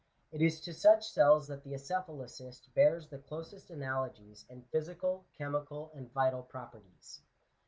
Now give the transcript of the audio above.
It is to such cells that the acephalocyst bears the closest analogies in physical, chemical, and vital properties.